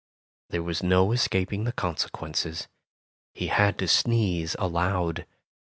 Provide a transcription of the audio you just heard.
There was no escaping the consequences — he had to sneeze aloud.